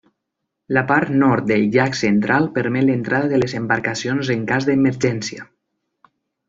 La part nord del llac central permet l'entrada de les embarcacions en cas d'emergència.